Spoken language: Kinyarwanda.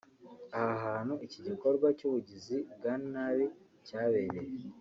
Aha hantu iki gikorwa cy’ubugizi bwa nabi cyabereye